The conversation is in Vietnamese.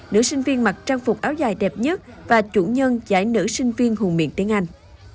nữ sinh viên mặc trang phục áo dài đẹp nhất và chủ nhân giải nữ sinh viên hùng miệng tiếng anh